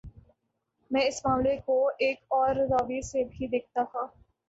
میں اس معاملے کوایک اور زاویے سے بھی دیکھتا تھا۔